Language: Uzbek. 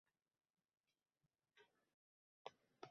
Shunday qilib, ovoz bering